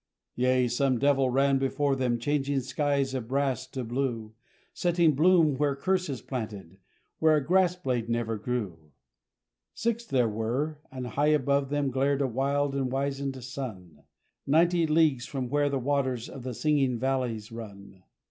Yea, some devil ran before them changing skies of brass to blue, Setting bloom where curse is planted, where a grass blade never grew. Six there were, and high above them glared a wild and wizened sun, Ninety leagues from where the waters of the singing valleys run.